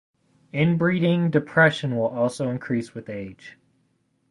Inbreeding depression will also increase with age.